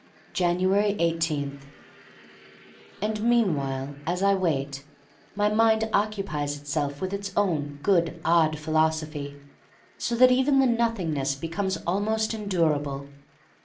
Januarp 18* AND meanwhile — as I wait — my mind occupies itself with its own good odd philosophy, so that even the Nothingness becomes almost endurable.